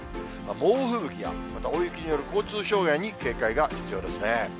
猛吹雪や、また大雪による交通障害に警戒が必要ですね。